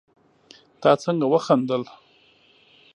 تا څنګه وخندل